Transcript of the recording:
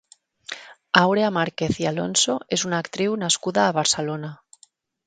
Àurea Márquez i Alonso és una actriu nascuda a Barcelona.